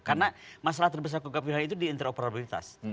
karena masalah terbesar kogak wilhan itu di interoperabilitas